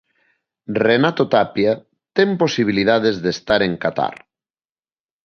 Renato Tapia ten posibilidades de estar en Qatar.